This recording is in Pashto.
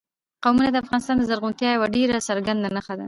قومونه د افغانستان د زرغونتیا یوه ډېره څرګنده نښه ده.